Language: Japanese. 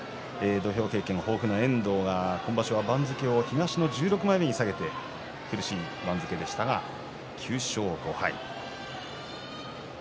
土俵経験豊富な遠藤が番付を東の１６枚目に下げて厳しい番付でしたが９勝５敗でした。